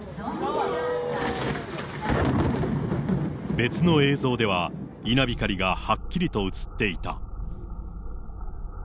別の映像では、稲光がはっきりと写っていた。